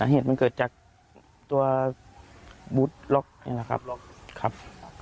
เห็นมันเกิดจากตัวบุ๊ดล็อกนี่แหละครับ